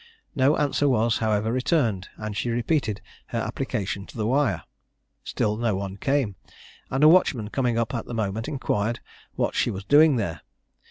No answer was, however, returned and she repeated her application to the wire. Still no one came, and a watchman coming up at the moment inquired what she was doing there?